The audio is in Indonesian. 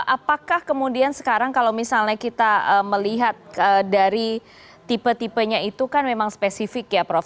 apakah kemudian sekarang kalau misalnya kita melihat dari tipe tipenya itu kan memang spesifik ya prof